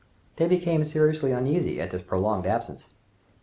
They became seriously uneasy at this prolonged absence.